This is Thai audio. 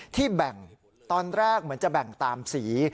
แบ่งตอนแรกเหมือนจะแบ่งตามสี